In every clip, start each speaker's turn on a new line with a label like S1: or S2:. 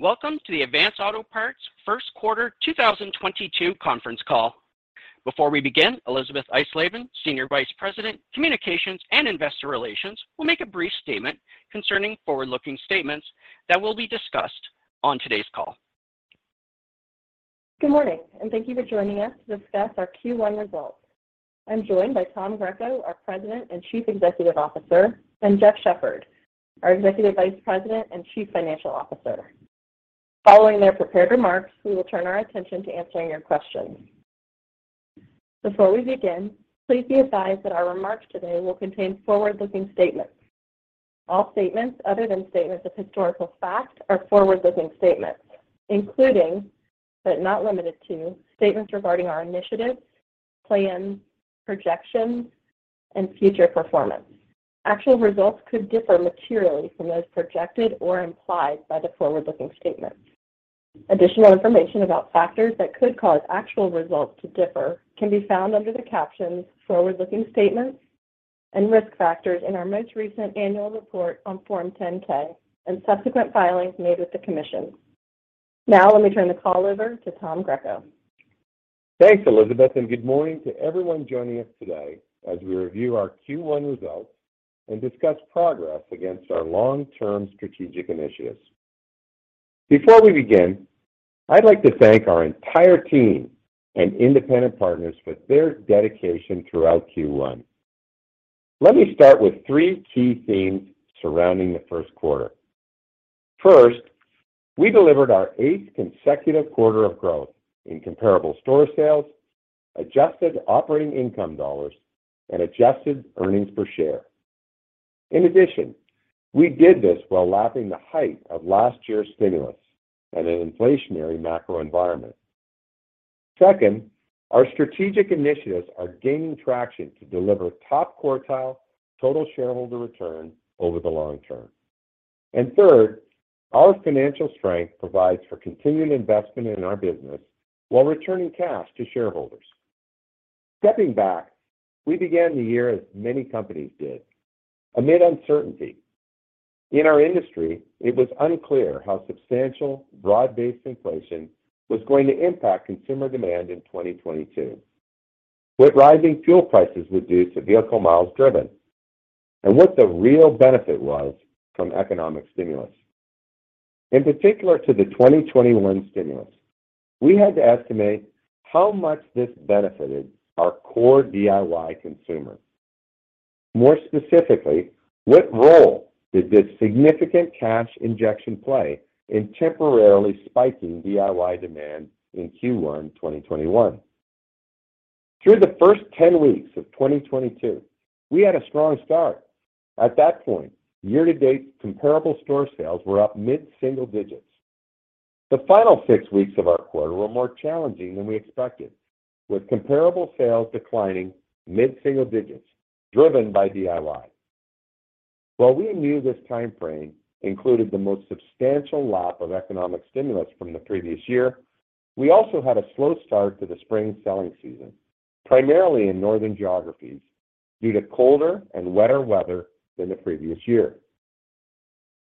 S1: Welcome to the Advance Auto Parts Q1 2022 conference call. Before we begin, Elisabeth Eisleben, Senior Vice President, Communications and Investor Relations, will make a brief statement concerning forward-looking statements that will be discussed on today's call.
S2: Good morning, and thank you for joining us to discuss our Q1 results. I'm joined by Tom Greco, our President and Chief Executive Officer, and Jeff Shepherd, our Executive Vice President and Chief Financial Officer. Following their prepared remarks, we will turn our attention to answering your questions. Before we begin, please be advised that our remarks today will contain forward-looking statements. All statements other than statements of historical fact are forward-looking statements, including, but not limited to, statements regarding our initiatives, plans, projections, and future performance. Actual results could differ materially from those projected or implied by the forward-looking statement. Additional information about factors that could cause actual results to differ can be found under the captions "Forward-Looking Statements" and "Risk Factors" in our most recent annual report on Form 10-K and subsequent filings made with the commission. Now let me turn the call over to Tom Greco.
S3: Thanks, Elisabeth, and good morning to everyone joining us today as we review our Q1 results and discuss progress against our long-term strategic initiatives. Before we begin, I'd like to thank our entire team and independent partners for their dedication throughout Q1. Let me start with three key themes surrounding the Q1. First, we delivered our eighth consecutive quarter of growth in comparable store sales, adjusted operating income dollars, and adjusted earnings per share. In addition, we did this while lapping the height of last year's stimulus and an inflationary macro environment. Second, our strategic initiatives are gaining traction to deliver top-quartile total shareholder return over the long term. Third, our financial strength provides for continued investment in our business while returning cash to shareholders. Stepping back, we began the year as many companies did, amid uncertainty. In our industry, it was unclear how substantial broad-based inflation was going to impact consumer demand in 2022, what rising fuel prices would do to vehicle miles driven, and what the real benefit was from economic stimulus. In particular to the 2021 stimulus, we had to estimate how much this benefited our core DIY consumer. More specifically, what role did this significant cash injection play in temporarily spiking DIY demand in Q1 2021. Through the first 10 weeks of 2022, we had a strong start. At that point, year-to-date comparable store sales were up mid-single digits. The final 6 weeks of our quarter were more challenging than we expected, with comparable sales declining mid-single digits, driven by DIY. While we knew this timeframe included the most substantial lap of economic stimulus from the previous year, we also had a slow start to the spring selling season, primarily in northern geographies, due to colder and wetter weather than the previous year.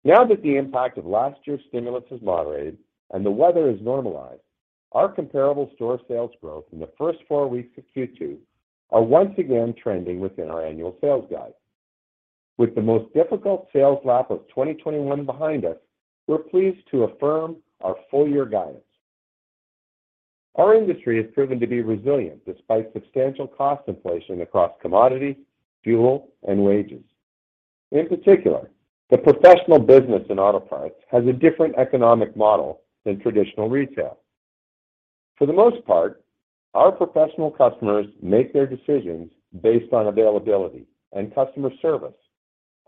S3: Now that the impact of last year's stimulus has moderated and the weather has normalized, our comparable store sales growth in the first four weeks of Q2 are once again trending within our annual sales guide. With the most difficult sales lap of 2021 behind us, we're pleased to affirm our full year guidance. Our industry has proven to be resilient despite substantial cost inflation across commodity, fuel, and wages. In particular, the professional business in auto parts has a different economic model than traditional retail. For the most part, our professional customers make their decisions based on availability and customer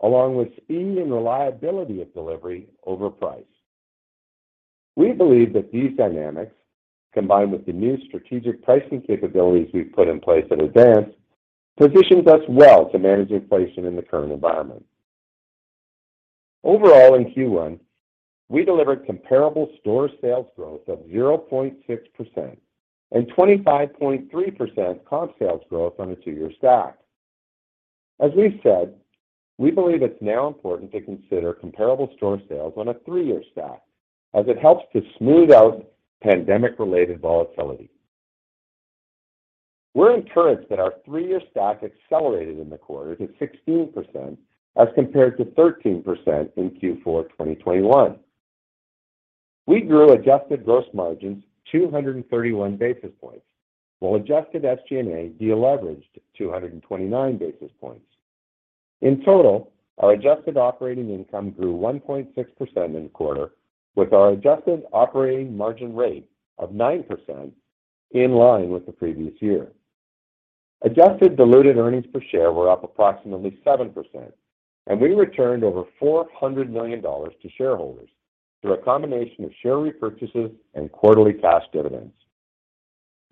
S3: service, along with speed and reliability of delivery over price. We believe that these dynamics, combined with the new strategic pricing capabilities we've put in place in advance, positions us well to manage inflation in the current environment. Overall, in Q1, we delivered comparable store sales growth of 0.6% and 25.3% comparable sales growth on a two-year stack. As we've said, we believe it's now important to consider comparable store sales on a three-year stack as it helps to smooth out pandemic-related volatility. We're encouraged that our three-year stack accelerated in the quarter to 16% as compared to 13% in Q4 2021. We grew adjusted gross margins 231 basis points, while adjusted SG&A deleveraged 229 basis points. In total, our adjusted operating income grew 1.6% in the quarter, with our adjusted operating margin rate of 9% in line with the previous year. Adjusted diluted earnings per share were up approximately 7%, and we returned over $400 million to shareholders through a combination of share repurchases and quarterly cash dividends.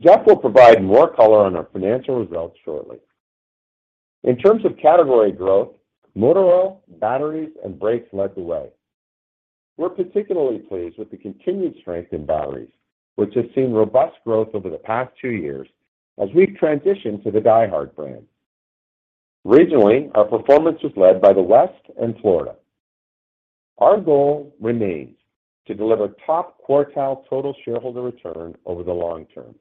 S3: Jeff will provide more color on our financial results shortly. In terms of category growth, motor oil, batteries, and brakes led the way. We're particularly pleased with the continued strength in batteries, which has seen robust growth over the past two years as we've transitioned to the DieHard brand. Regionally, our performance was led by the West and Florida. Our goal remains to deliver top quartile total shareholder return over the long term.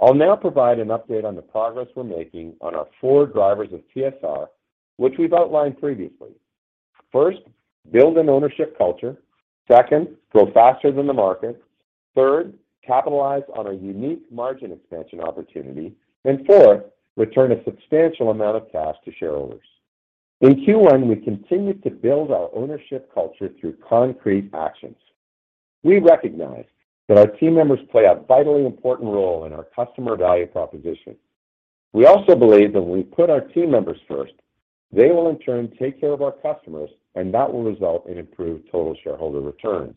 S3: I'll now provide an update on the progress we're making on our four drivers of TSR, which we've outlined previously. First, build an ownership culture. Second, grow faster than the market. Third, capitalize on our unique margin expansion opportunity. Fourth, return a substantial amount of cash to shareholders. In Q1, we continued to build our ownership culture through concrete actions. We recognize that our team members play a vitally important role in our customer value proposition. We also believe that when we put our team members first, they will in turn take care of our customers, and that will result in improved total shareholder returns.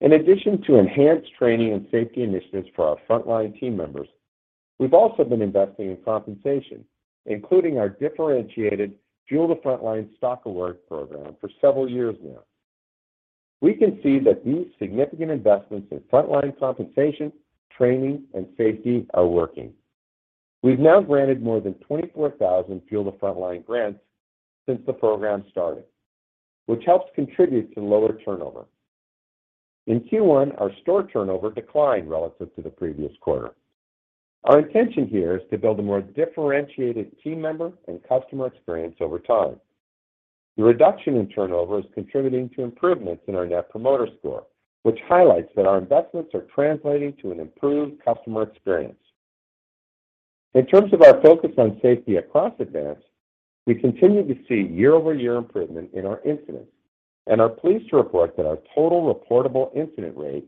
S3: In addition to enhanced training and safety initiatives for our frontline team members, we've also been investing in compensation, including our differentiated Fuel the Frontline stock award program for several years now. We can see that these significant investments in frontline compensation, training, and safety are working. We've now granted more than 24,000 Fuel the Frontline grants since the program started, which helps contribute to lower turnover. In Q1, our store turnover declined relative to the previous quarter. Our intention here is to build a more differentiated team member and customer experience over time. The reduction in turnover is contributing to improvements in our net promoter score, which highlights that our investments are translating to an improved customer experience. In terms of our focus on safety across Advance, we continue to see year-over-year improvement in our incidents and are pleased to report that our total reportable incident rate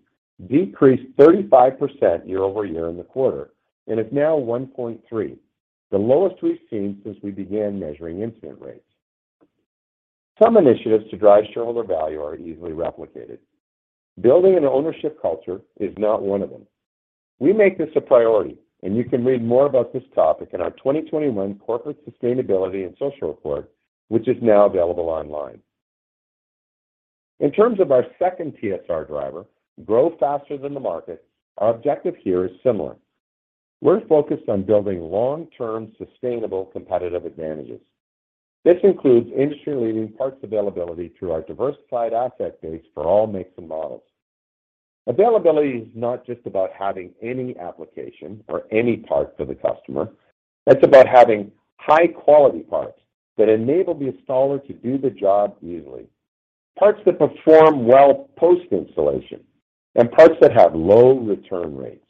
S3: decreased 35% year over year in the quarter and is now 1.3, the lowest we've seen since we began measuring incident rates. Some initiatives to drive shareholder value aren't easily replicated. Building an ownership culture is not one of them. We make this a priority, and you can read more about this topic in our 2021 Corporate Sustainability and Social Report, which is now available online. In terms of our second TSR driver, grow faster than the market, our objective here is similar. We're focused on building long-term, sustainable competitive advantages. This includes industry-leading parts availability through our diversified asset base for all makes and models. Availability is not just about having any application or any part for the customer. It's about having high-quality parts that enable the installer to do the job easily, parts that perform well post-installation, and parts that have low return rates.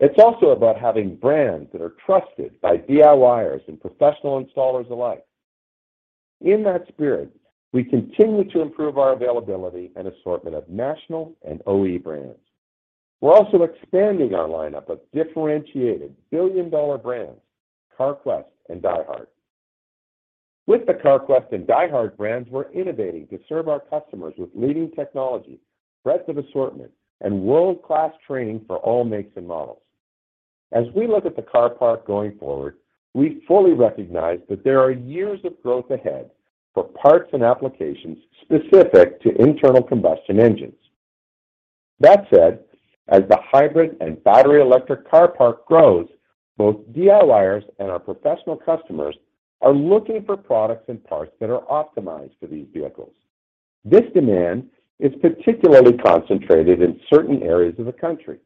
S3: It's also about having brands that are trusted by DIYers and professional installers alike. In that spirit, we continue to improve our availability and assortment of national and OE brands. We're also expanding our lineup of differentiated billion-dollar brands, Carquest and DieHard. With the Carquest and DieHard brands, we're innovating to serve our customers with leading technology, breadth of assortment, and world-class training for all makes and models. As we look at the car park going forward, we fully recognize that there are years of growth ahead for parts and applications specific to internal combustion engines. That said, as the hybrid and battery electric car park grows, both DIYers and our professional customers are looking for products and parts that are optimized for these vehicles. This demand is particularly concentrated in certain areas of the country.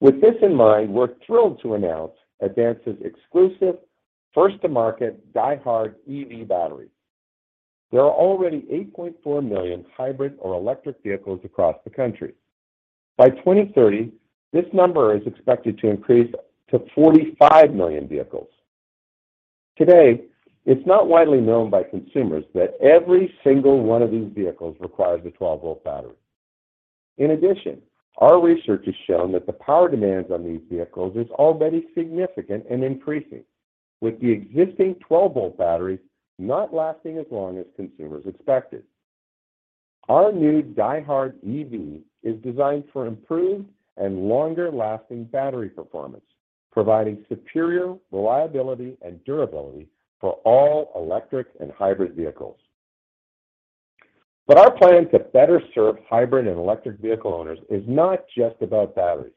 S3: With this in mind, we're thrilled to announce Advance's exclusive first-to-market DieHard EV batteries. There are already 8.4 million hybrid or electric vehicles across the country. By 2030, this number is expected to increase to 45 million vehicles. Today, it's not widely known by consumers that every single one of these vehicles requires a 12-volt battery. In addition, our research has shown that the power demands on these vehicles is already significant and increasing, with the existing 12-volt batteries not lasting as long as consumers expected. Our new DieHard EV is designed for improved and longer-lasting battery performance, providing superior reliability and durability for all electric and hybrid vehicles. Our plan to better serve hybrid and electric vehicle owners is not just about batteries.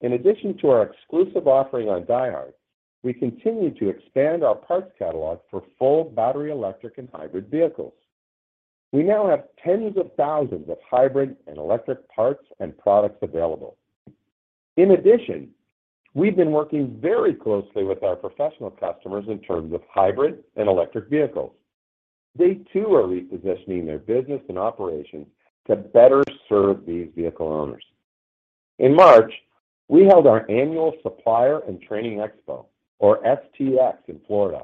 S3: In addition to our exclusive offering on DieHard, we continue to expand our parts catalog for full battery electric and hybrid vehicles. We now have tens of thousands of hybrid and electric parts and products available. In addition, we've been working very closely with our professional customers in terms of hybrid and electric vehicles. They too are repositioning their business and operations to better serve these vehicle owners. In March, we held our annual Supplier & Training Expo, or STX, in Florida.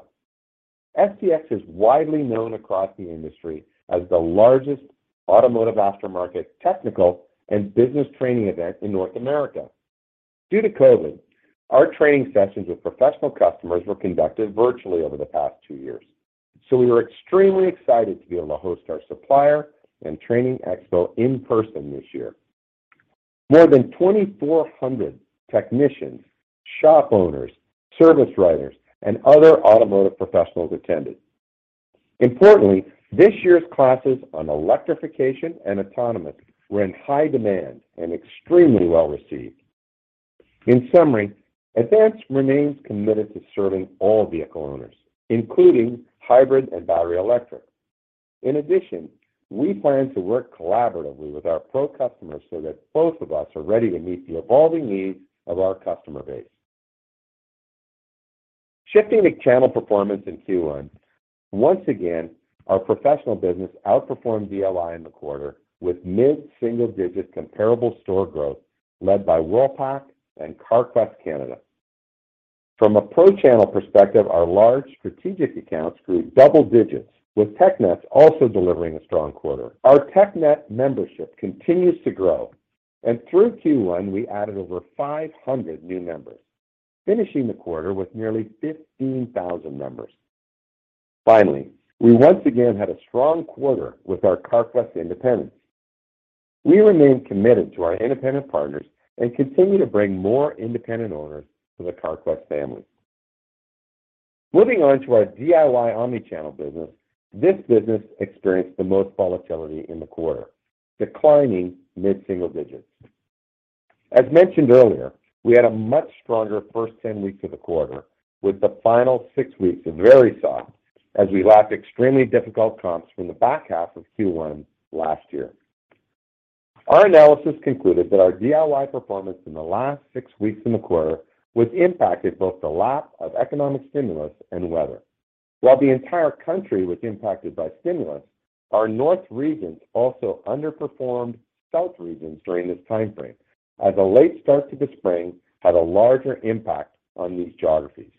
S3: STX is widely known across the industry as the largest automotive aftermarket technical and business training event in North America. Due to COVID-19, our training sessions with professional customers were conducted virtually over the past two years, so we were extremely excited to be able to host our Supplier & Training Expo in person this year. More than 2,400 technicians, shop owners, service writers, and other automotive professionals attended. Importantly, this year's classes on electrification and autonomous were in high demand and extremely well-received. In summary, Advance remains committed to serving all vehicle owners, including hybrid and battery electric. In addition, we plan to work collaboratively with our pro customers so that both of us are ready to meet the evolving needs of our customer base. Shifting to channel performance in Q1, once again, our professional business outperformed DIY in the quarter with mid-single-digit comparable store growth led by Worldpac and Carquest Canada. From a pro-channel perspective, our large strategic accounts grew double digits, with TechNet also delivering a strong quarter. Our TechNet membership continues to grow, and through Q1, we added over 500 new members, finishing the quarter with nearly 15,000 members. Finally, we once again had a strong quarter with our Carquest independents. We remain committed to our independent partners and continue to bring more independent owners to the Carquest family. Moving on to our DIY omni-channel business, this business experienced the most volatility in the quarter, declining mid-single digits. As mentioned earlier, we had a much stronger first 10 weeks of the quarter, with the final 6 weeks very soft as we lapped extremely difficult comps from the back half of Q1 last year. Our analysis concluded that our DIY performance in the last 6 weeks in the quarter was impacted by both the lap of economic stimulus and weather. While the entire country was impacted by stimulus, our North regions also underperformed South regions during this time frame as a late start to the spring had a larger impact on these geographies.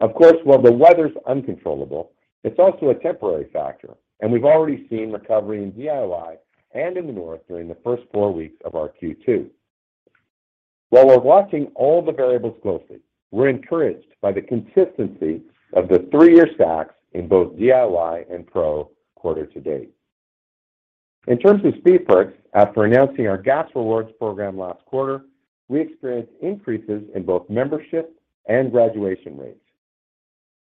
S3: Of course, while the weather is uncontrollable, it's also a temporary factor, and we've already seen recovery in DIY and in the North during the first four weeks of our Q2. While we're watching all the variables closely, we're encouraged by the consistency of the three-year stacks in both DIY and Pro quarter to date. In terms of Speed Perks, after announcing our gas rewards program last quarter, we experienced increases in both membership and graduation rates.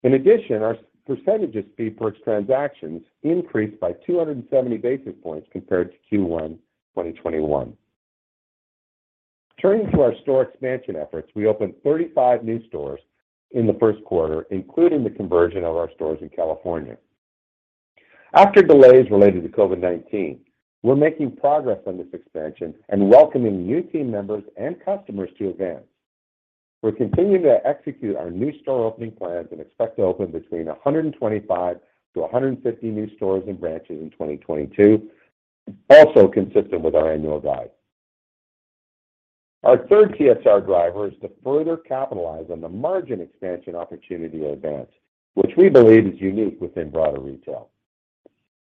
S3: In addition, our percentage of Speed Perks transactions increased by 270 basis points compared to Q1 2021. Turning to our store expansion efforts, we opened 35 new stores in the first quarter, including the conversion of our stores in California. After delays related to COVID-19, we're making progress on this expansion and welcoming new team members and customers to Advance. We're continuing to execute our new store opening plans and expect to open between 125-150 new stores and branches in 2022, also consistent with our annual guide. Our third TSR driver is to further capitalize on the margin expansion opportunity at Advance, which we believe is unique within broader retail.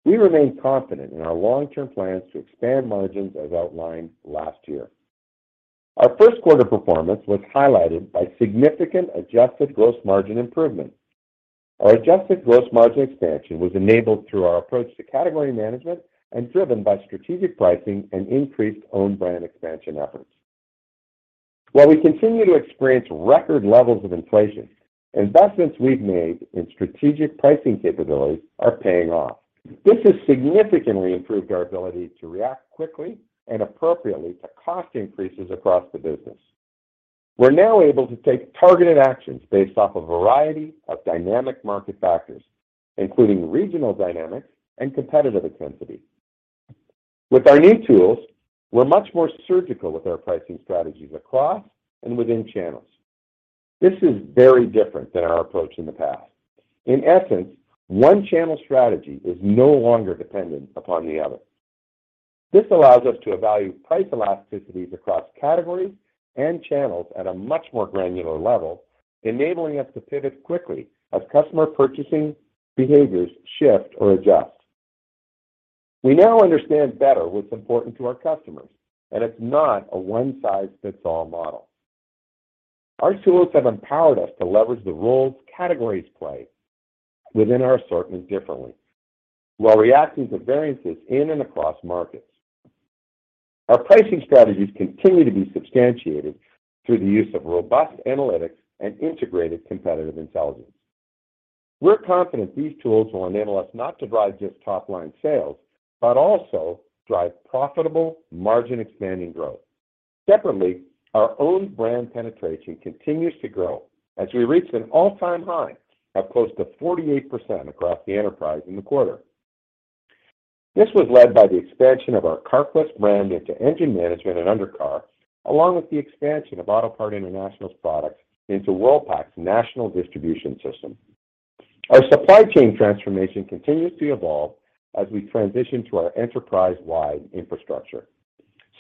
S3: We remain confident in our long-term plans to expand margins as outlined last year. Our Q1 performance was highlighted by significant adjusted gross margin improvement. Our adjusted gross margin expansion was enabled through our approach to category management and driven by strategic pricing and increased owned brand expansion efforts. While we continue to experience record levels of inflation, investments we've made in strategic pricing capabilities are paying off. This has significantly improved our ability to react quickly and appropriately to cost increases across the business. We're now able to take targeted actions based off a variety of dynamic market factors, including regional dynamics and competitive intensity. With our new tools, we're much more surgical with our pricing strategies across and within channels. This is very different than our approach in the past. In essence, one channel strategy is no longer dependent upon the other. This allows us to evaluate price elasticities across categories and channels at a much more granular level, enabling us to pivot quickly as customer purchasing behaviors shift or adjust. We now understand better what's important to our customers, and it's not a one-size-fits-all model. Our tools have empowered us to leverage the roles categories play within our assortment differently while reacting to variances in and across markets. Our pricing strategies continue to be substantiated through the use of robust analytics and integrated competitive intelligence. We're confident these tools will enable us not to drive just top-line sales, but also drive profitable margin expanding growth. Separately, our own brand penetration continues to grow as we reach an all-time high of close to 48% across the enterprise in the quarter. This was led by the expansion of our Carquest brand into engine management and undercar, along with the expansion of Autopart International's products into Worldpac's national distribution system. Our supply chain transformation continues to evolve as we transition to our enterprise-wide infrastructure,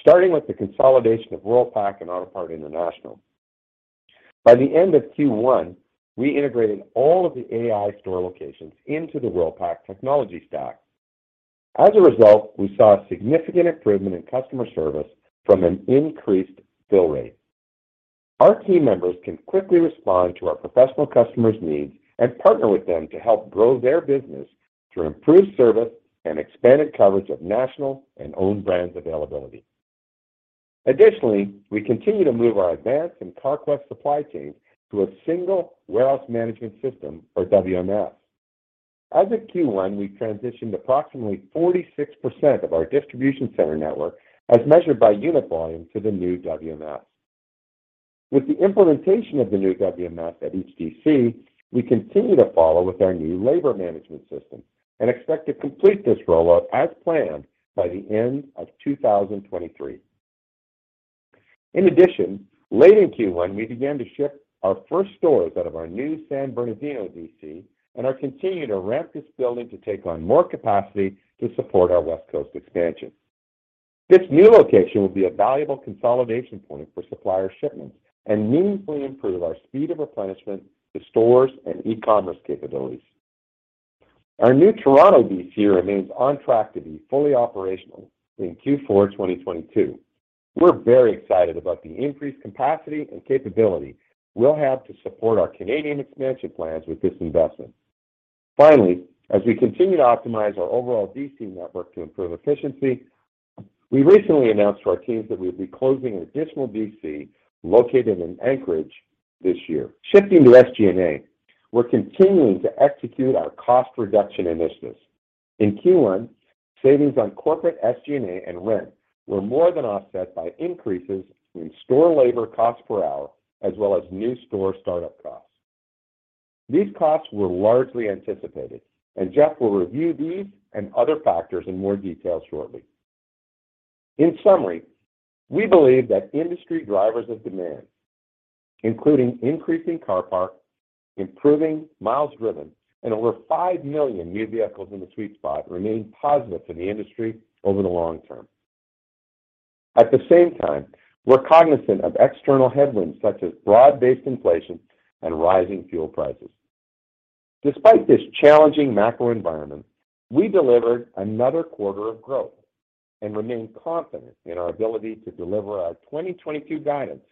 S3: starting with the consolidation of Worldpac and Autopart International. By the end of Q1, we integrated all of the AI store locations into the Worldpac technology stack. As a result, we saw a significant improvement in customer service from an increased fill rate. Our team members can quickly respond to our professional customers' needs and partner with them to help grow their business through improved service and expanded coverage of national and owned brands availability. Additionally, we continue to move our Advance and Carquest supply chains to a single warehouse management system or WMS. As of Q1, we transitioned approximately 46% of our distribution center network as measured by unit volume to the new WMS. With the implementation of the new WMS at each DC, we continue to follow with our new labor management system and expect to complete this rollout as planned by the end of 2023. In addition, late in Q1, we began to ship our first stores out of our new San Bernardino DC and are continuing to ramp this building to take on more capacity to support our West Coast expansion. This new location will be a valuable consolidation point for supplier shipments and meaningfully improve our speed of replenishment to stores and e-commerce capabilities. Our new Toronto DC remains on track to be fully operational in Q4 2022. We're very excited about the increased capacity and capability we'll have to support our Canadian expansion plans with this investment. Finally, as we continue to optimize our overall DC network to improve efficiency, we recently announced to our teams that we'll be closing an additional DC located in Anchorage this year. Shifting to SG&A, we're continuing to execute our cost reduction initiatives. In Q1, savings on corporate SG&A and rent were more than offset by increases in store labor cost per hour as well as new store startup costs. These costs were largely anticipated, and Jeff will review these and other factors in more detail shortly. In summary, we believe that industry drivers of demand, including increasing car parc, improving miles driven, and over 5 million new vehicles in the sweet spot remain positive for the industry over the long term. At the same time, we're cognizant of external headwinds such as broad-based inflation and rising fuel prices. Despite this challenging macro environment, we delivered another quarter of growth and remain confident in our ability to deliver our 2022 guidance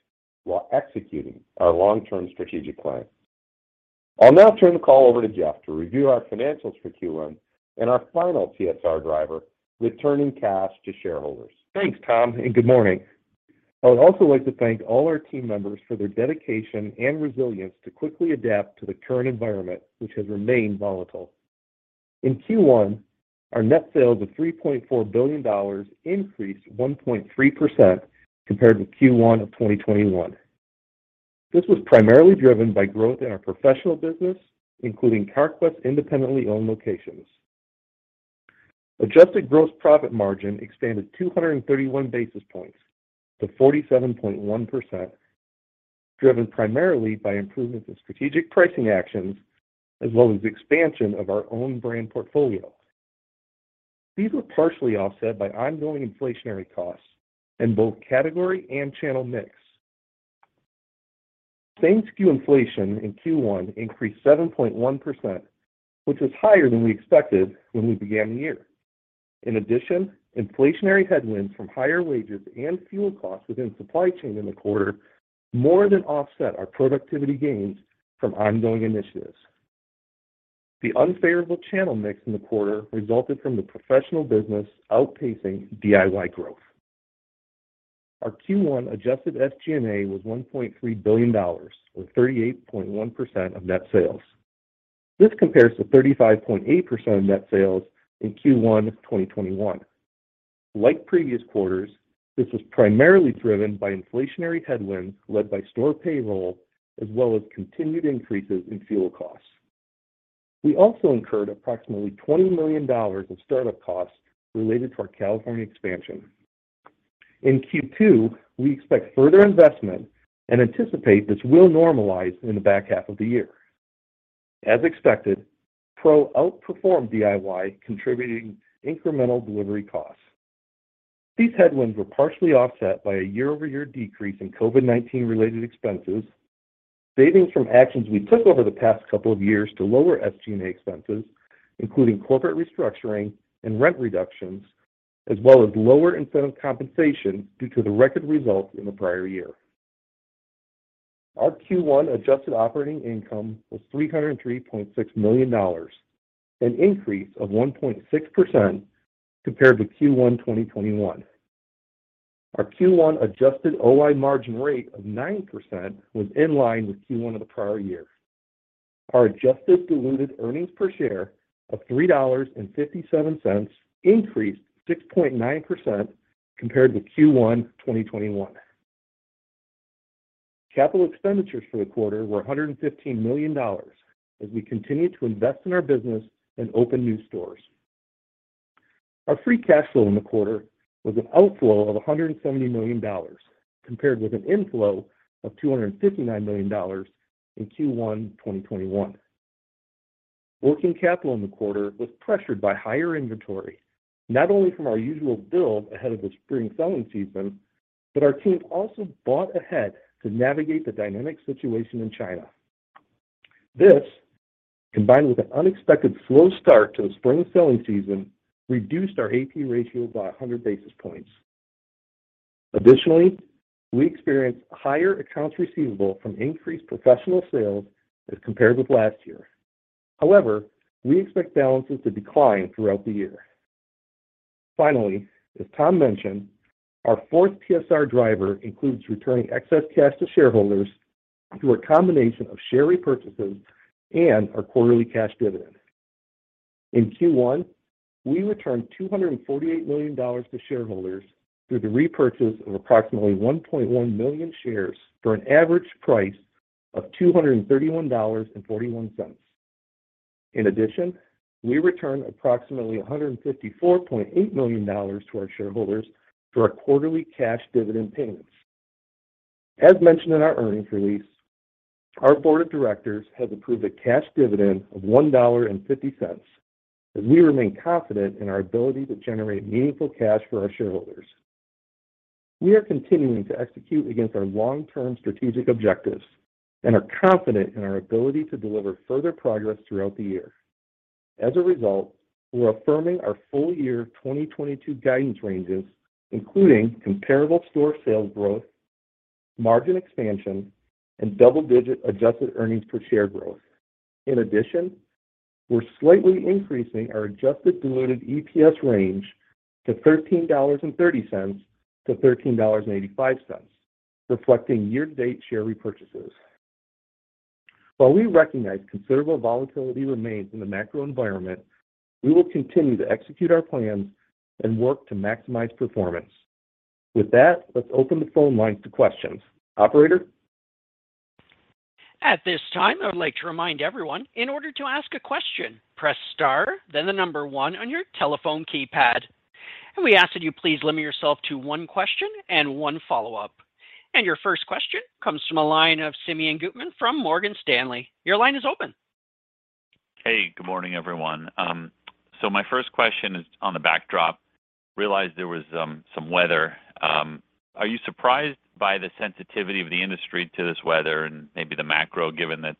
S3: while executing our long-term strategic plan. I'll now turn the call over to Jeff to review our financials for Q1 and our final TSR driver, returning cash to shareholders.
S4: Thanks, Tom, and good morning. I would also like to thank all our team members for their dedication and resilience to quickly adapt to the current environment, which has remained volatile. In Q1, our net sales of $3.4 billion increased 1.3% compared with Q1 of 2021. This was primarily driven by growth in our professional business, including Carquest independently owned locations. Adjusted gross profit margin expanded 231 basis points to 47.1%, driven primarily by improvements in strategic pricing actions as well as expansion of our own brand portfolio. These were partially offset by ongoing inflationary costs in both category and channel mix. Same-sku inflation in Q1 increased 7.1%, which was higher than we expected when we began the year. In addition, inflationary headwinds from higher wages and fuel costs within supply chain in the quarter more than offset our productivity gains from ongoing initiatives. The unfavorable channel mix in the quarter resulted from the professional business outpacing DIY growth. Our Q1 adjusted SG&A was $1.3 billion, or 38.1% of net sales. This compares to 35.8% of net sales in Q1 of 2021. Like previous quarters, this was primarily driven by inflationary headwinds led by store payroll as well as continued increases in fuel costs. We also incurred approximately $20 million of startup costs related to our California expansion. In Q2, we expect further investment and anticipate this will normalize in the back half of the year. As expected, pro outperformed DIY, contributing incremental delivery costs. These headwinds were partially offset by a year-over-year decrease in COVID-19 related expenses, savings from actions we took over the past couple of years to lower SG&A expenses, including corporate restructuring and rent reductions, as well as lower incentive compensation due to the record results in the prior year. Our Q1 adjusted operating income was $303.6 million, an increase of 1.6% compared with Q1 2021. Our Q1 adjusted OI margin rate of 9% was in line with Q1 of the prior year. Our adjusted diluted earnings per share of $3.57 increased 6.9% compared with Q1 2021. Capital expenditures for the quarter were $115 million as we continue to invest in our business and open new stores. Our free cash flow in the quarter was an outflow of $170 million, compared with an inflow of $259 million in Q1 2021. Working capital in the quarter was pressured by higher inventory, not only from our usual build ahead of the spring selling season, but our team also bought ahead to navigate the dynamic situation in China. This, combined with an unexpected slow start to the spring selling season, reduced our AP ratio by 100 basis points. Additionally, we experienced higher accounts receivable from increased professional sales as compared with last year. However, we expect balances to decline throughout the year. Finally, as Tom mentioned, our fourth TSR driver includes returning excess cash to shareholders through a combination of share repurchases and our quarterly cash dividend. In Q1, we returned $248 million to shareholders through the repurchase of approximately 1.1 million shares for an average price of $231.41. In addition, we returned approximately $154.8 million to our shareholders through our quarterly cash dividend payments. As mentioned in our earnings release, our board of directors has approved a cash dividend of $1.50, and we remain confident in our ability to generate meaningful cash for our shareholders. We are continuing to execute against our long-term strategic objectives and are confident in our ability to deliver further progress throughout the year. As a result, we're affirming our full-year 2022 guidance ranges, including comparable store sales growth, margin expansion, and double-digit adjusted earnings per share growth. In addition, we're slightly increasing our adjusted diluted EPS range to $13.30-$13.85, reflecting year-to-date share repurchases. While we recognize considerable volatility remains in the macro environment, we will continue to execute our plans and work to maximize performance. With that, let's open the phone lines to questions. Operator?
S1: At this time, I would like to remind everyone, in order to ask a question, press star, then the number one on your telephone keypad. We ask that you please limit yourself to one question and one follow-up. Your first question comes from a line of Simeon Gutman from Morgan Stanley. Your line is open.
S5: Hey, good morning, everyone. My first question is on the backdrop. Realized there was some weather. Are you surprised by the sensitivity of the industry to this weather and maybe the macro given that,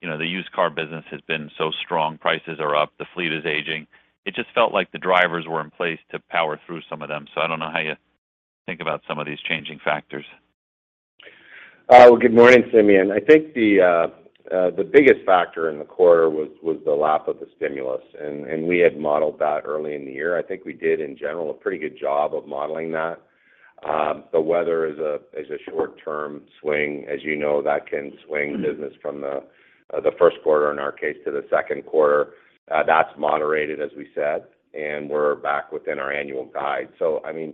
S5: you know, the used car business has been so strong, prices are up, the fleet is aging? It just felt like the drivers were in place to power through some of them. I don't know how you think about some of these changing factors.
S4: Well, good morning, Simeon. I think the biggest factor in the quarter was the lapse of the stimulus, and we had modeled that early in the year. I think we did, in general, a pretty good job of modeling that. The weather is a short-term swing. As you know, that can swing business from the first quarter, in our case, to the second quarter. That's moderated, as we said, and we're back within our annual guide. I mean,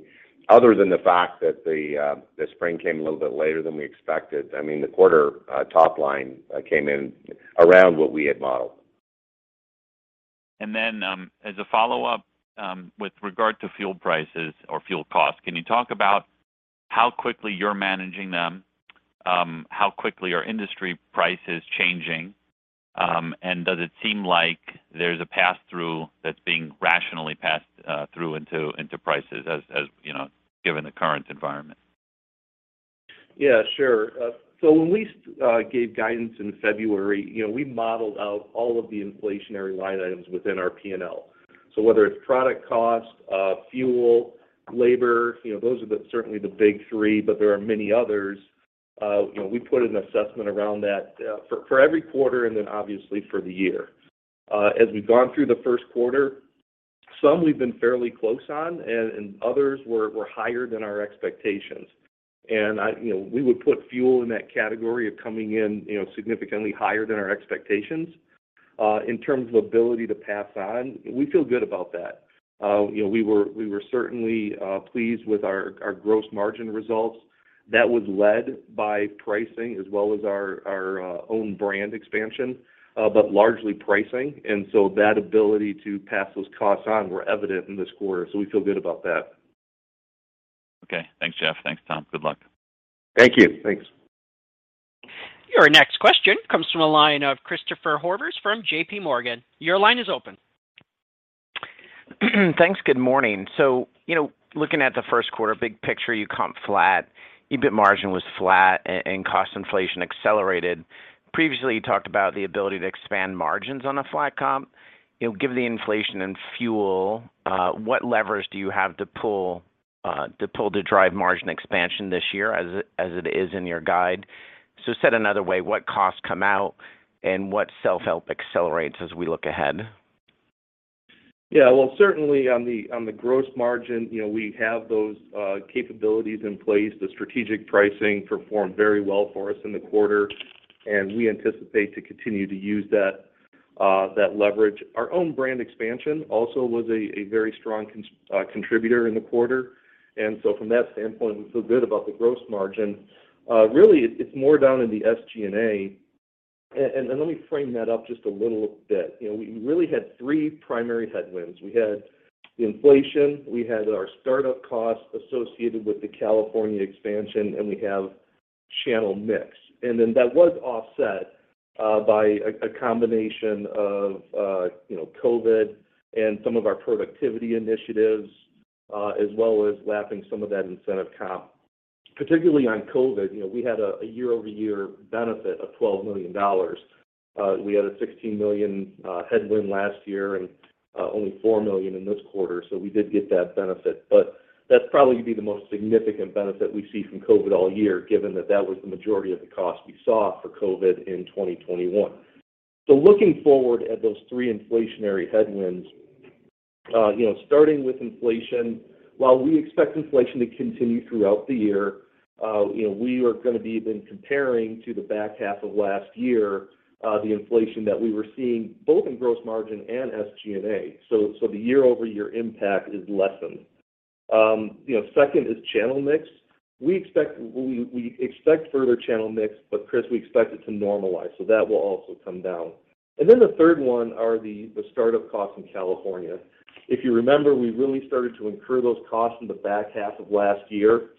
S4: other than the fact that the spring came a little bit later than we expected, I mean, the quarter top line came in around what we had modeled.
S5: As a follow-up, with regard to fuel prices or fuel costs, can you talk about how quickly you're managing them? How quickly are industry prices changing? Does it seem like there's a pass-through that's being rationally passed through into prices as you know, given the current environment?
S4: Yeah, sure. When we gave guidance in February, you know, we modeled out all of the inflationary line items within our P&L. Whether it's product cost, fuel, labor, those are certainly the big three, but there are many others. We put an assessment around that, for every quarter and then obviously for the year. As we've gone through the first quarter, some we've been fairly close on and others were higher than our expectations. We would put fuel in that category of coming in, you know, significantly higher than our expectations. In terms of ability to pass on, we feel good about that. We were certainly pleased with our gross margin results. That was led by pricing as well as our own brand expansion, but largely pricing. That ability to pass those costs on were evident in this quarter, so we feel good about that.
S5: Okay. Thanks, Jeff. Thanks, Tom. Good luck.
S4: Thank you. Thanks.
S1: Your next question comes from a line of Christopher Horvers from JPMorgan. Your line is open.
S6: Thanks. Good morning. Looking at the first quarter, big picture, you comp flat, EBIT margin was flat and cost inflation accelerated. Previously, you talked about the ability to expand margins on a flat comparable sales. Given the inflation in fuel, what levers do you have to pull to drive margin expansion this year as it is in your guide? So said another way, what costs come out and what self-help accelerates as we look ahead?
S4: Yeah. Well, certainly on the gross margin, we have those capabilities in place. The strategic pricing performed very well for us in the quarter, and we anticipate to continue to use that leverage. Our own brand expansion also was a very strong contributor in the quarter. From that standpoint, we feel good about the gross margin. Really it's more down in the SG&A. Let me frame that up just a little bit. We really had three primary headwinds. We had inflation, we had our startup costs associated with the California expansion, and we have channel mix. That was offset by a combination of, COVID-19 and some of our productivity initiatives, as well as lapping some of that incentive comp. Particularly on COVID-19, we had a year-over-year benefit of $12 million. We had a $16 million headwind last year and only $4 million in this quarter, so we did get that benefit. But that's probably gonna be the most significant benefit we see from COVID-19 all year, given that that was the majority of the cost we saw for COVID-19 in 2021. Looking forward at those three inflationary headwinds
S3: Starting with inflation, while we expect inflation to continue throughout the year, we are gonna be then comparing to the back half of last year, the inflation that we were seeing both in gross margin and SG&A. So the year-over-year impact is lessened. You know, second is channel mix. We expect further channel mix, but Chris, we expect it to normalize, so that will also come down. Then the third one are the startup costs in California. If you remember, we really started to incur those costs in the back half of last year,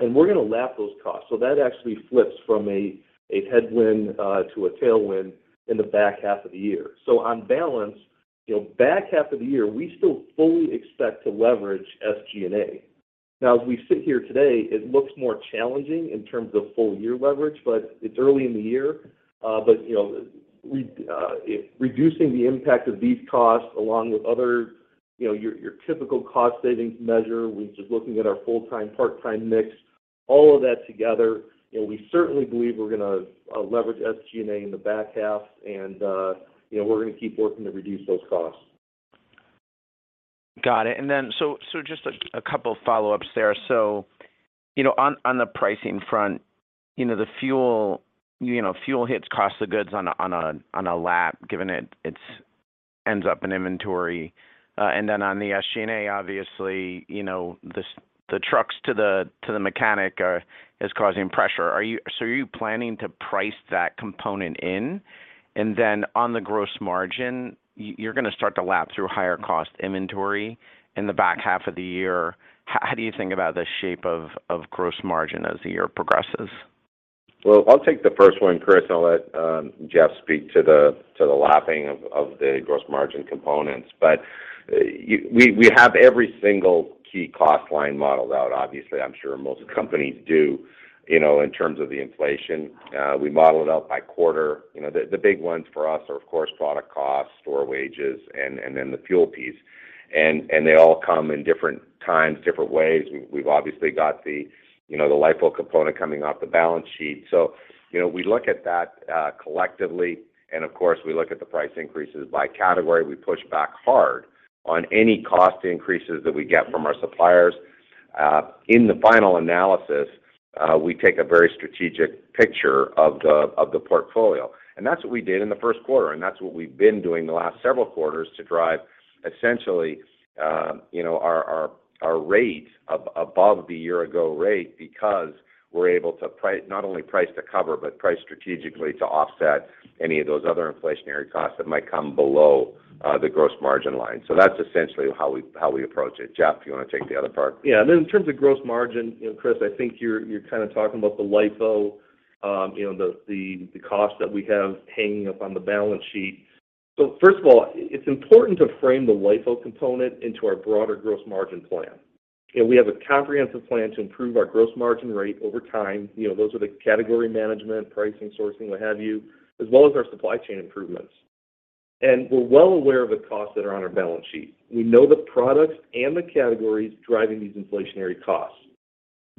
S3: and we're gonna lap those costs. So that actually flips from a headwind to a tailwind in the back half of the year. On balance, you know, back half of the year, we still fully expect to leverage SG&A. Now, as we sit here today, it looks more challenging in terms of full year leverage, but it's early in the year. Reducing the impact of these costs along with other, your typical cost savings measure. We're just looking at our full-time, part-time mix, all of that together. We certainly believe we're gonna leverage SG&A in the back half and, we're gonna keep working to reduce those costs.
S6: Got it. Just a couple follow-ups there. On the pricing front, the fuel hits cost of goods on a lap, given it ends up in inventory. On the SG&A, obviously, the trucks to the mechanic are causing pressure. Are you planning to price that component in? On the gross margin, you're gonna start to lap through higher cost inventory in the back half of the year. How do you think about the shape of gross margin as the year progresses?
S3: Well, I'll take the first one, Chris, and I'll let Jeff speak to the lapping of the gross margin components. We have every single key cost line modeled out. Obviously, I'm sure most companies do, in terms of the inflation. We model it out by quarter. The big ones for us are of course product costs, store wages, and then the fuel piece. They all come in different times, different ways. We've obviously got the LIFO component coming off the balance sheet. We look at that collectively, and of course, we look at the price increases by category. We push back hard on any cost increases that we get from our suppliers. In the final analysis, we take a very strategic picture of the portfolio. That's what we did in the first quarter, and that's what we've been doing the last several quarters to drive essentially, our rate above the year ago rate because we're able to price not only to cover, but price strategically to offset any of those other inflationary costs that might come below the gross margin line. That's essentially how we approach it. Jeff, you wanna take the other part?
S4: Yeah. In terms of gross margin, Chris, I think you're kinda talking about the LIFO, the cost that we have hanging up on the balance sheet. First of all, it's important to frame the LIFO component into our broader gross margin plan. We have a comprehensive plan to improve our gross margin rate over time. Those are the category management, pricing, sourcing, what have you, as well as our supply chain improvements. We're well aware of the costs that are on our balance sheet. We know the products and the categories driving these inflationary costs.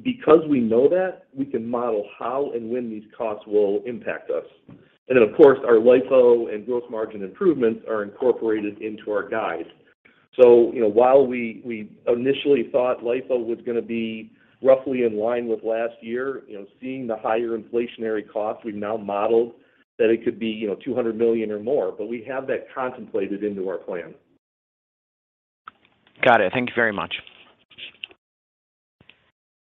S4: Because we know that, we can model how and when these costs will impact us. Of course, our LIFO and gross margin improvements are incorporated into our guide. while we initially thought LIFO was gonna be roughly in line with last year, seeing the higher inflationary costs, we've now modeled that it could be, $200 million or more. We have that contemplated into our plan.
S6: Got it. Thank you very much.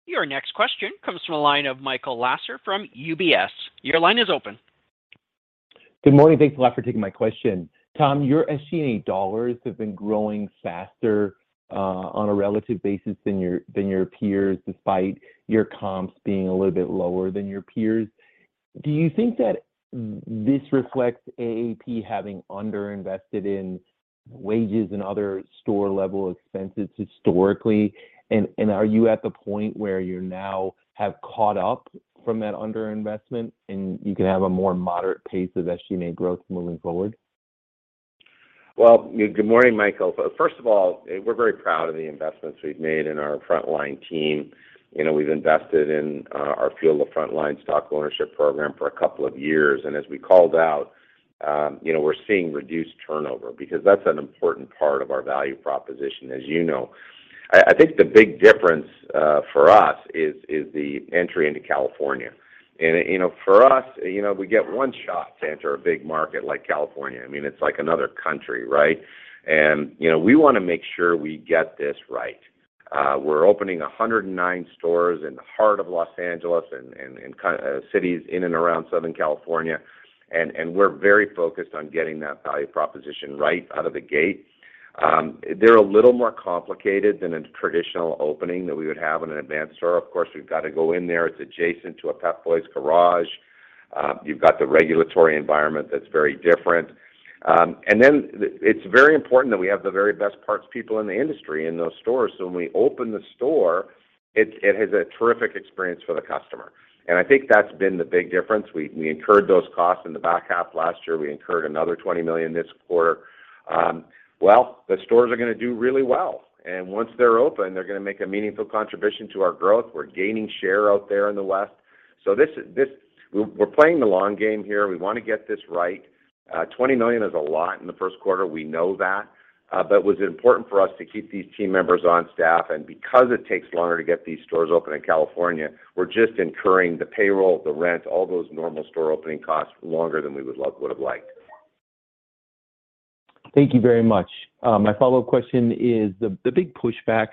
S1: Your next question comes from the line of Michael Lasser from UBS. Your line is open.
S7: Good morning. Thanks a lot for taking my question. Tom, your SG&A dollars have been growing faster on a relative basis than your peers, despite your comps being a little bit lower than your peers. Do you think that this reflects AAP having underinvested in wages and other store-level expenses historically? Are you at the point where you now have caught up from that underinvestment and you can have a more moderate pace of SG&A growth moving forward?
S3: Well, good morning, Michael. First of all, we're very proud of the investments we've made in our frontline team. We've invested in our Fuel the Frontline stock ownership program for a couple of years. As we called out, you know, we're seeing reduced turnover because that's an important part of our value proposition, as you know. I think the big difference for us is the entry into California. For us, we get one shot to enter a big market like California. I mean, it's like another country, right? We wanna make sure we get this right. We're opening 109 stores in the heart of Los Angeles and cities in and around Southern California, and we're very focused on getting that value proposition right out of the gate. They're a little more complicated than a traditional opening that we would have in an Advance store. Of course, we've got to go in there. It's adjacent to a Pep Boys garage. You've got the regulatory environment that's very different. It's very important that we have the very best parts people in the industry in those stores, so when we open the store, it has a terrific experience for the customer. I think that's been the big difference. We incurred those costs in the back half last year. We incurred another $20 million this quarter. Well, the stores are gonna do really well, and once they're open, they're gonna make a meaningful contribution to our growth. We're gaining share out there in the West. This is, we're playing the long game here. We wanna get this right. $20 million is a lot in the first quarter, we know that. It was important for us to keep these team members on staff. Because it takes longer to get these stores open in California, we're just incurring the payroll, the rent, all those normal store opening costs longer than we would have liked.
S7: Thank you very much. My follow-up question is the big pushback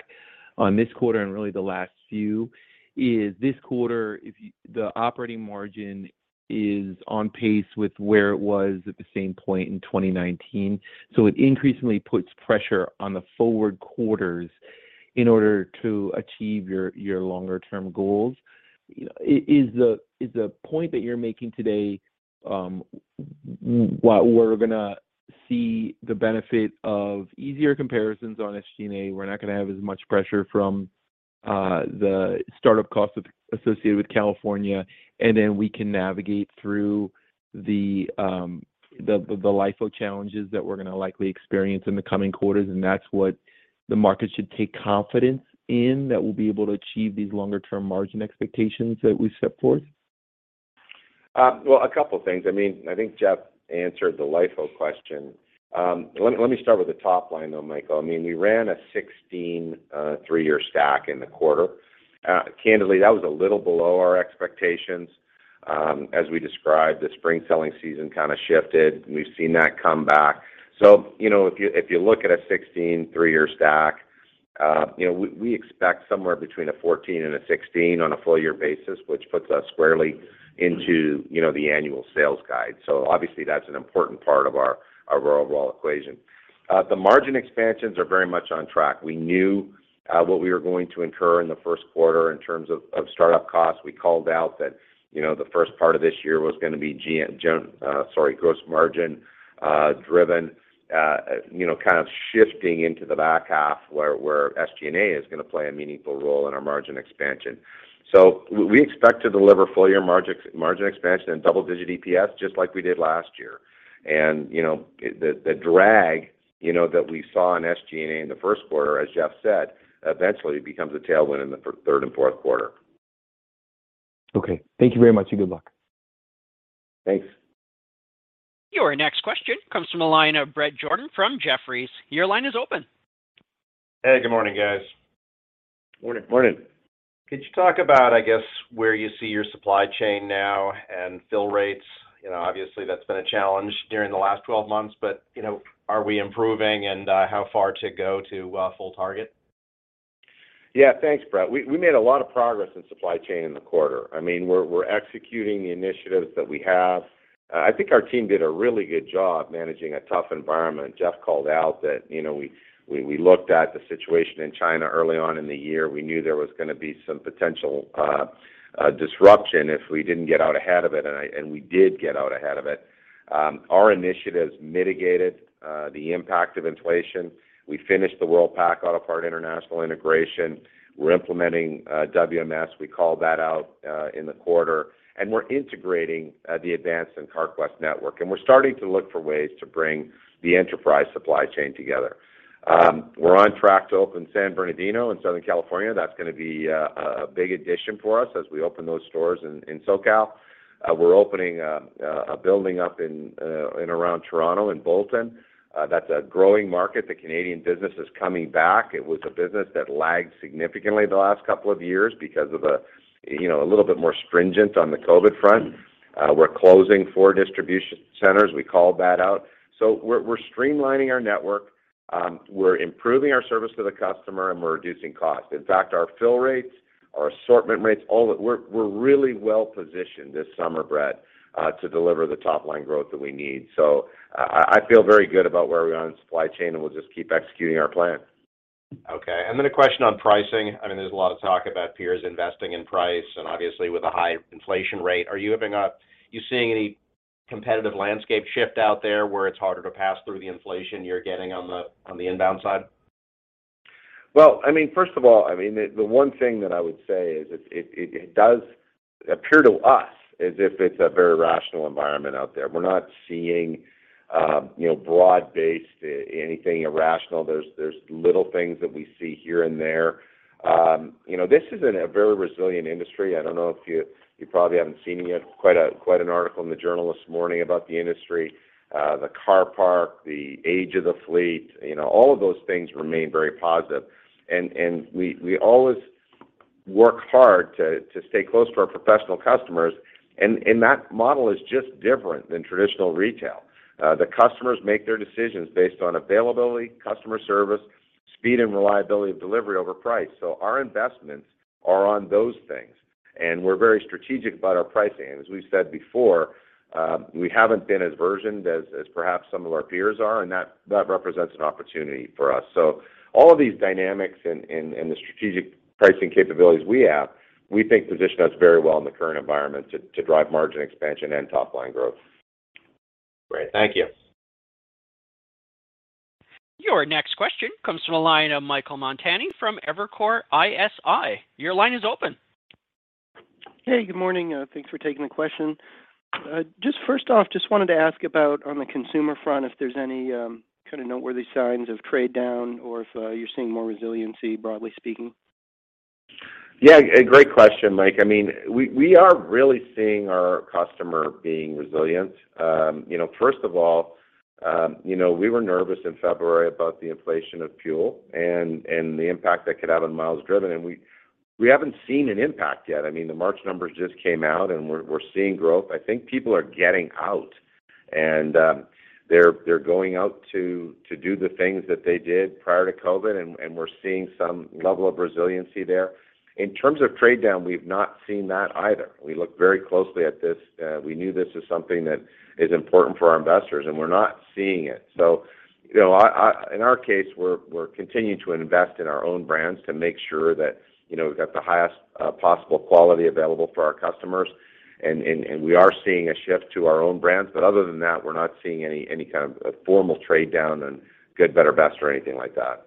S7: on this quarter and really the last few is this quarter the operating margin is on pace with where it was at the same point in 2019. It increasingly puts pressure on the forward quarters in order to achieve your longer term goals. Is the point that you're making today, we're gonna see the benefit of easier comparisons on SG&A, we're not gonna have as much pressure from the startup costs associated with California, and then we can navigate through the LIFO challenges that we're gonna likely experience in the coming quarters, and that's what the market should take confidence in that we'll be able to achieve these longer term margin expectations that we set forth?
S3: Well, a couple things. I mean, I think Jeff answered the LIFO question. Let me start with the top line, though, Michael. I mean, we ran a 16% three-year stack in the quarter. Candidly, that was a little below our expectations. As we described, the spring selling season kind of shifted, and we've seen that come back. If you look at a 16% three-year stack, you know, we expect somewhere between 14% and 16% on a full year basis, which puts us squarely into, you know, the annual sales guide. Obviously, that's an important part of our overall equation. The margin expansions are very much on track. We knew what we were going to incur in the Q1 in terms of startup costs. We called out that, the first part of this year was gonna be gross margin driven, kind of shifting into the back half where SG&A is gonna play a meaningful role in our margin expansion. We expect to deliver full year margin expansion and double-digit EPS, just like we did last year. The drag that we saw in SG&A in the Q1, as Jeff said, eventually becomes a tailwind in the third and Q4.
S7: Okay. Thank you very much, and good luck.
S3: Thanks.
S1: Your next question comes from the line of Bret Jordan from Jefferies. Your line is open.
S8: Hey, good morning, guys.
S3: Morning.
S1: Morning.
S8: Could you talk about, I guess, where you see your supply chain now and fill rates? Obviously, that's been a challenge during the last 12 months, but, are we improving and how far to go to full target?
S3: Yeah. Thanks, Brett. We made a lot of progress in supply chain in the quarter. I mean, we're executing the initiatives that we have. I think our team did a really good job managing a tough environment. Jeff called out that, we looked at the situation in China early on in the year. We knew there was gonna be some potential disruption if we didn't get out ahead of it, and we did get out ahead of it. Our initiatives mitigated the impact of inflation. We finished the Worldpac Autopart International integration. We're implementing WMS. We called that out in the quarter. We're integrating the Advance and Carquest network, and we're starting to look for ways to bring the enterprise supply chain together. We're on track to open San Bernardino in Southern California. That's gonna be a big addition for us as we open those stores in SoCal. We're opening a building up in around Toronto in Bolton. That's a growing market. The Canadian business is coming back. It was a business that lagged significantly the last couple of years because of, a little bit more stringent on the COVID-19 front. We're closing four distribution centers. We called that out. We're streamlining our network, we're improving our service to the customer, and we're reducing costs. In fact, our fill rates, our assortment rates, all, we're really well positioned this summer, Bret, to deliver the top line growth that we need. I feel very good about where we are on supply chain, and we'll just keep executing our plan.
S8: Okay. A question on pricing. I mean, there's a lot of talk about peers investing in price and obviously with a high inflation rate. Are you seeing any competitive landscape shift out there where it's harder to pass through the inflation you're getting on the inbound side?
S3: Well, I mean, first of all, I mean, the one thing that I would say is it does appear to us as if it's a very rational environment out there. We're not seeing, broad-based, anything irrational. There's little things that we see here and there. You know, this is in a very resilient industry. I don't know if you probably haven't seen it yet. Quite an article in the journal this morning about the industry, the car park, the age of the fleet, all of those things remain very positive. We always work hard to stay close to our professional customers, and that model is just different than traditional retail. The customers make their decisions based on availability, customer service, speed and reliability of delivery over price. Our investments are on those things, and we're very strategic about our pricing. As we've said before, we haven't been as versioned as perhaps some of our peers are, and that represents an opportunity for us. All of these dynamics and the strategic pricing capabilities we have, we think position us very well in the current environment to drive margin expansion and top line growth.
S8: Great. Thank you.
S1: Your next question comes from the line of Michael Montani from Evercore ISI. Your line is open.
S9: Hey, good morning. Thanks for taking the question. Just first off, just wanted to ask about on the consumer front, if there's any kinda noteworthy signs of trade-down or if you're seeing more resiliency, broadly speaking.
S3: Yeah, a great question, Mike. I mean, we are really seeing our customer being resilient. First of all, you know, we were nervous in February about the inflation of fuel and the impact that could have on miles driven, and we haven't seen an impact yet. I mean, the March numbers just came out, and we're seeing growth. I think people are getting out and they're going out to do the things that they did prior to COVID-19, and we're seeing some level of resiliency there. In terms of trade-down, we've not seen that either. We look very closely at this. We knew this was something that is important for our investors, and we're not seeing it. In our case, we're continuing to invest in our own brands to make sure that, we've got the highest possible quality available for our customers and we are seeing a shift to our own brands, but other than that, we're not seeing any kind of a formal trade-down on good, better, best or anything like that.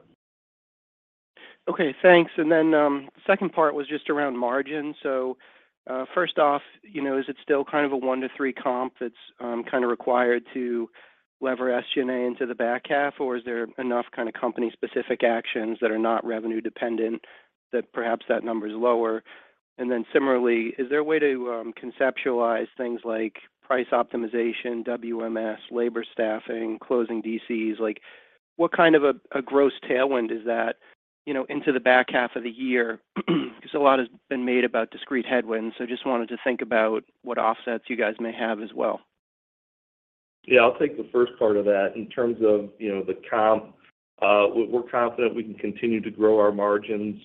S9: Okay, thanks. Second part was just around margin. First off, you know, is it still kind of a 1% -3% comparable sales that's kinda required to lever SG&A into the back half? Is there enough kind of company specific actions that are not revenue dependent that perhaps that number is lower? Similarly, is there a way to conceptualize things like price optimization, WMS, labor staffing, closing DCs? Like, what kind of a gross tailwind is that, into the back half of the year? Because a lot has been made about discrete headwinds, so just wanted to think about what offsets you guys may have as well.
S4: Yeah. I'll take the first part of that. In terms of, the comparable sales, we're confident we can continue to grow our margins,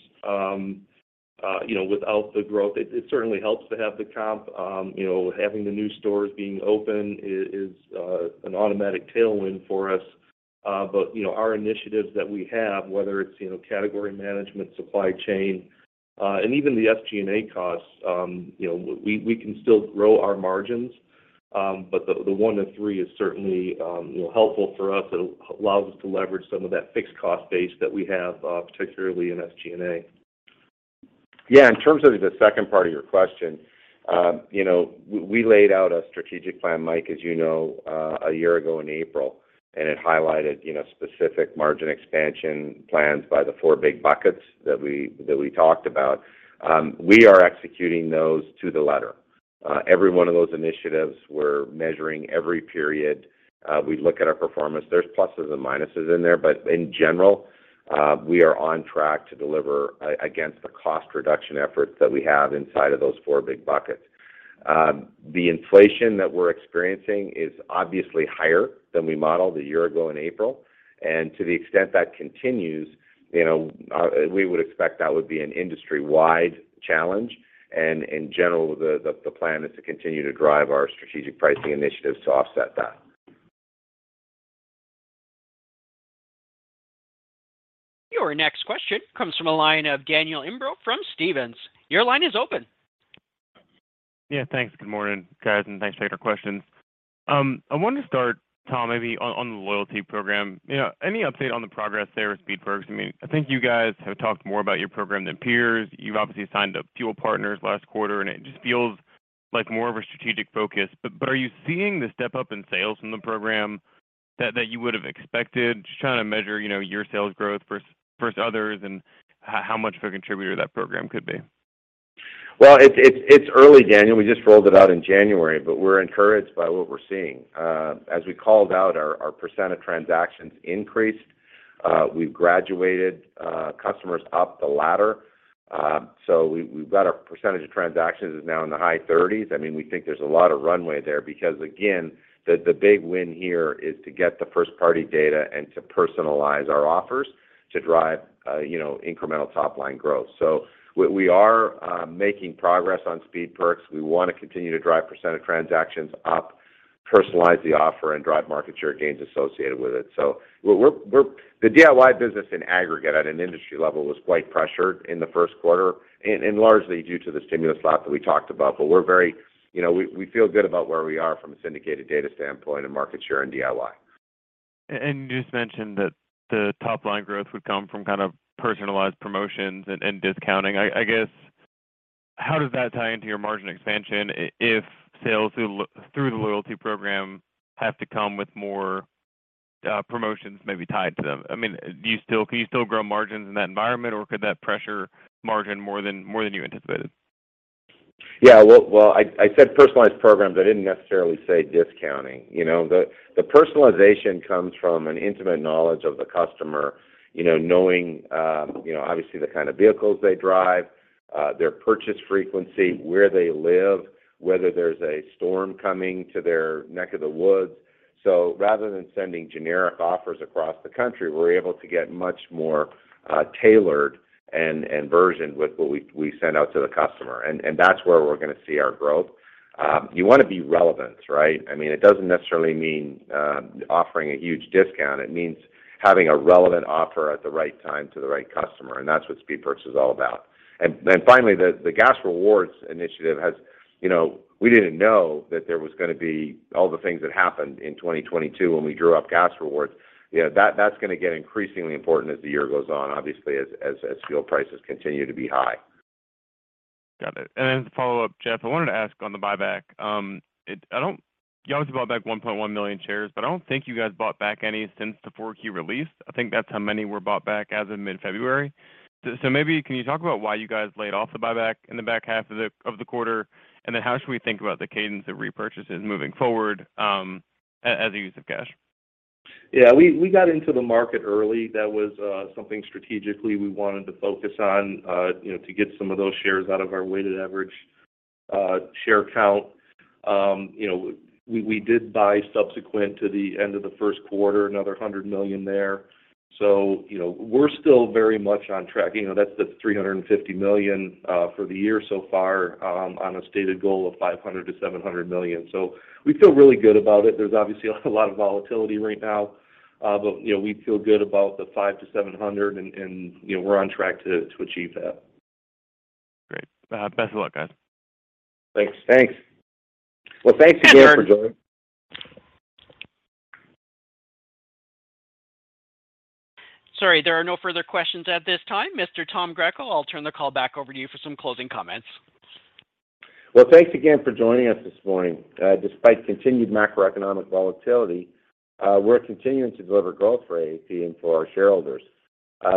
S4: without the growth. It certainly helps to have the comp. Having the new stores being open is an automatic tailwind for us. Our initiatives that we have, whether it's, category management, supply chain, and even the SG&A costs, we can still grow our margins. The 1%-3% is certainly, helpful for us. It allows us to leverage some of that fixed cost base that we have, particularly in SG&A.
S3: Yeah. In terms of the second part of your question, you know, we laid out a strategic plan, Mike, a year ago in April, and it highlighted, specific margin expansion plans by the four big buckets that we talked about. We are executing those to the letter. Every one of those initiatives we're measuring every period. We look at our performance. There's pluses and minuses in there, but in general, we are on track to deliver against the cost reduction efforts that we have inside of those four big buckets. The inflation that we're experiencing is obviously higher than we modeled a year ago in April, and to the extent that continues, we would expect that would be an industry-wide challenge, and in general, the plan is to continue to drive our strategic pricing initiatives to offset that.
S1: Your next question comes from the line of Daniel Imbro from Stephens. Your line is open.
S10: Yeah, thanks. Good morning, guys, and thanks for taking our questions. I wanted to start, Tom, maybe on the loyalty program. Any update on the progress there with Speed Perks? I mean, I think you guys have talked more about your program than peers. You've obviously signed up fuel partners last quarter, and it just feels like more of a strategic focus. Are you seeing the step-up in sales from the program that you would've expected? Just trying to measure, your sales growth versus others and how much of a contributor that program could be.
S3: Well, it's early, Daniel. We just rolled it out in January, but we're encouraged by what we're seeing. As we called out, our percent of transactions increased. We've graduated customers up the ladder. We've got our percentage of transactions is now in the high 30s. I mean, we think there's a lot of runway there because, again, the big win here is to get the first party data and to personalize our offers to drive, you know, incremental top-line growth. We are making progress on Speed Perks. We wanna continue to drive percent of transactions up, personalize the offer, and drive market share gains associated with it. The DIY business in aggregate at an industry level was quite pressured in the first quarter and largely due to the stimulus lapse that we talked about, but we're very you know we feel good about where we are from a syndicated data standpoint and market share in DIY.
S10: You just mentioned that the top line growth would come from kind of personalized promotions and discounting. I guess how does that tie into your margin expansion if sales through the loyalty program have to come with more promotions maybe tied to them? I mean, can you still grow margins in that environment, or could that pressure margin more than you anticipated?
S3: Yeah. Well, I said personalized programs. I didn't necessarily say discounting. You know, the personalization comes from an intimate knowledge of the customer, knowing obviously the kind of vehicles they drive, their purchase frequency, where they live, whether there's a storm coming to their neck of the woods. Rather than sending generic offers across the country, we're able to get much more tailored and versioned with what we send out to the customer. That's where we're gonna see our growth. You wanna be relevant, right? I mean, it doesn't necessarily mean offering a huge discount. It means having a relevant offer at the right time to the right customer, and that's what Speed Perks is all about. Finally, the gas rewards initiative has, we didn't know that there was gonna be all the things that happened in 2022 when we drew up gas rewards. That's gonna get increasingly important as the year goes on, obviously, as fuel prices continue to be high.
S10: Got it. As a follow-up, Jeff, I wanted to ask on the buyback. You obviously bought back 1.1 million shares, but I don't think you guys bought back any since the Q4 release. I think that's how many were bought back as of mid-February. Maybe can you talk about why you guys laid off the buyback in the back half of the quarter, and then how should we think about the cadence of repurchases moving forward, as a use of cash?
S4: Yeah. We got into the market early. That was something strategically we wanted to focus on, to get some of those shares out of our weighted average share count. We did buy subsequent to the end of the Q1, another $100 million there. So, you know, we're still very much on track. That's the $350 million for the year so far, on a stated goal of $500 million-$700 million. So we feel really good about it. There's obviously a lot of volatility right now, but we feel good about the $500 million -$700 million and we're on track to achieve that.
S10: Great. Best of luck, guys.
S4: Thanks.
S3: Thanks. Well, thanks again for joining.
S1: Sorry, there are no further questions at this time. Mr. Tom Greco, I'll turn the call back over to you for some closing comments.
S3: Well, thanks again for joining us this morning. Despite continued macroeconomic volatility, we're continuing to deliver growth for AP and for our shareholders.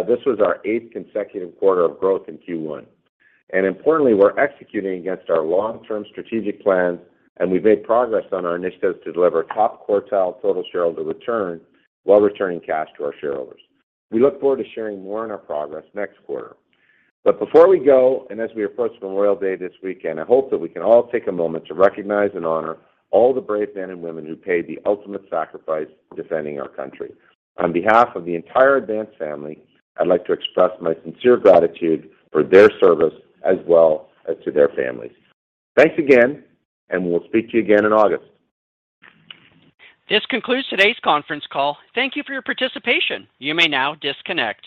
S3: This was our eighth consecutive quarter of growth in Q1. Importantly, we're executing against our long-term strategic plans, and we've made progress on our initiatives to deliver top-quartile total shareholder return while returning cash to our shareholders. We look forward to sharing more on our progress next quarter. Before we go, and as we approach Memorial Day this weekend, I hope that we can all take a moment to recognize and honor all the brave men and women who paid the ultimate sacrifice defending our country. On behalf of the entire Advance family, I'd like to express my sincere gratitude for their service as well as to their families. Thanks again, and we'll speak to you again in August.
S1: This concludes today's conference call. Thank you for your participation. You may now disconnect.